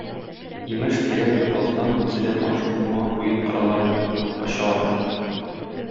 Имеш, тирән бер баздан үзе дә таныш булмаган уен коралларын яктылыкка чыгара.